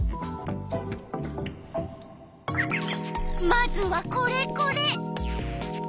まずはこれこれ。